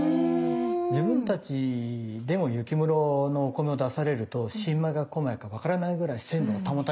自分たちでも雪室のお米を出されると新米か古米かわからないぐらい鮮度が保たれているんですよ。